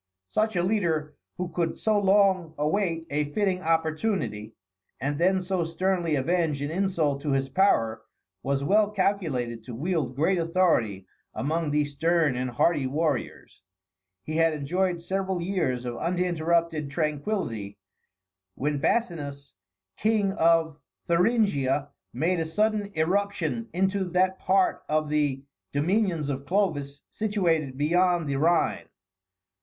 Such a leader, who could so long await a fitting opportunity, and then so sternly avenge an insult to his power, was well calculated to wield great authority among these stern and hardy warriors. He had enjoyed several years of uninterrupted tranquillity, when Basinus, King of Thuringia, made a sudden irruption into that part of the dominions of Clovis situated beyond the Rhine.